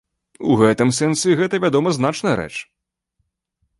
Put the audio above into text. У гэтым сэнсе гэта, вядома, значная рэч.